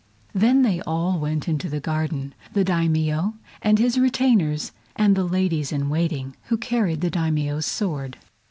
Then they all went into the garden—the Daimio and his retainers and the ladies in waiting, who carried the Daimio's sword.